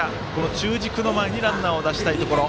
中軸の前にランナーを出したいところ。